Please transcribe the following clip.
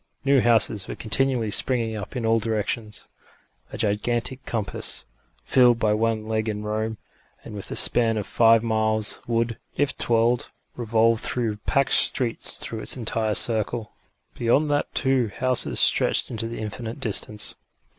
New houses were continually springing up in all directions. A gigantic compass, fixed by one leg in Rome, and with a span of five miles, would, if twirled, revolve through packed streets through its entire circle. Beyond that too houses stretched into the indefinite distance.